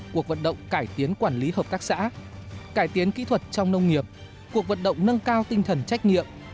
cuộc vận động cải tiến quản lý hợp tác xã cải tiến kỹ thuật trong nông nghiệp cuộc vận động nâng cao tinh thần trách nhiệm